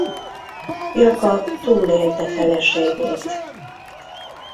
Jakab túlélte feleségét.